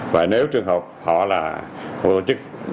và nếu trường hợp họ là một tổ chức